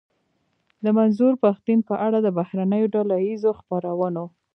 د منظور پښتين په اړه د بهرنيو ډله ايزو خپرونو.